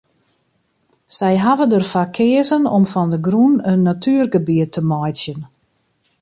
Sy hawwe der foar keazen om fan de grûn in natuergebiet te meitsjen.